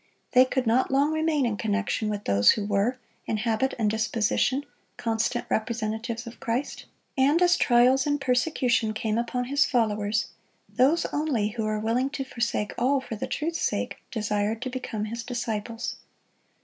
They could not long remain in connection with those who were, in habit and disposition, constant representatives of Christ; and as trials and persecution came upon His followers, those only who were willing to forsake all for the truth's sake desired to become His disciples.